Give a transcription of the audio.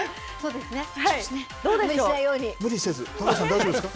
大丈夫ですか？